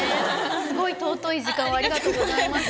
すごい尊い時間をありがとうございました。